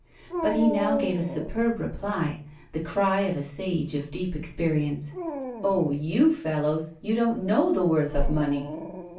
But he now gave a superb reply, the cry of a sage of deep experience. 'Oh, you fellows, you don't know the worth of money!